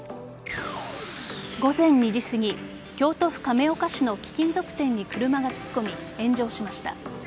午前２時すぎ京都府亀岡市の貴金属店に車が突っ込み、炎上しました。